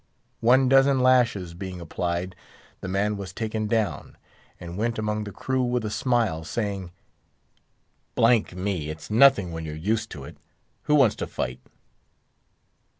One dozen lashes being applied, the man was taken down, and went among the crew with a smile, saying, "D——n me! it's nothing when you're used to it! Who wants to fight?"